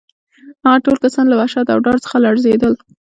هغه ټول کسان له وحشت او ډار څخه لړزېدل